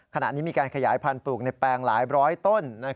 ขณะนี้มีการขยายพันธุ์ปลูกในแปลงหลายร้อยต้น